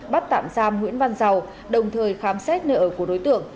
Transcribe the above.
bắt tạm giam nguyễn văn giàu đồng thời khám xét nơi ở của đối tượng